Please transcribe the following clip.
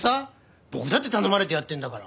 僕だって頼まれてやってるんだから。